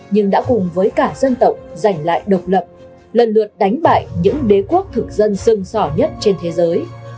nhưng đã cùng với cả dân tộc giành lại độc lập lần lượt đánh bại những đế quốc thực dân sưng sỏ nhất trên thế giới